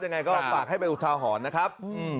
ยังไงก็ฝากให้เป็นอุทาหรณ์นะครับ